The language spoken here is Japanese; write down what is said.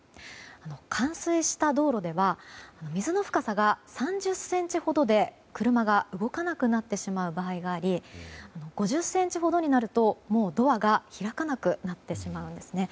冠水した道路では水の深さが３０ｃｍほどで、車が動かなくなってしまう場合があり５０ｃｍほどになるともうドアが開かなくなってしまうんですね。